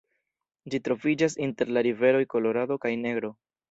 Ĝi troviĝas inter la riveroj Kolorado kaj Negro.